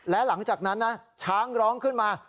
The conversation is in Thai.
และหลังจากนั้นนะช้างร้องขึ้นมา